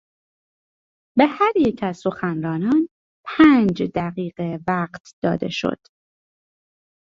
به هر یک از سخنرانان پنج دقیقه وقت داده شد.